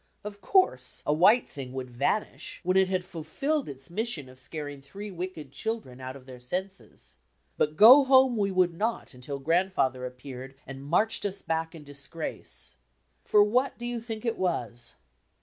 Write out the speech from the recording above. Of course, a "white thing" would vanish, when it had fulfilled its mission of scaring three wicked children out of their senses. But go home we would not undl Grandfather appeared and marched us back in disgrace. For what do you think it was?